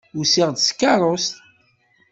Usiɣ-d s tkeṛṛust.